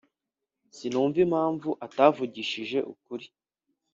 ] sinumva impamvu atavugishije ukuri.